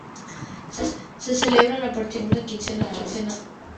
Se celebran a partir de la segunda quincena de agosto.